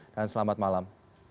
dan selamat malam